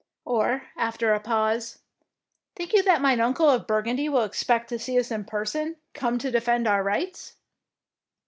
Or, after a pause, —" Think you that mine uncle of Bur gundy will expect to see us in person, come to defend our rights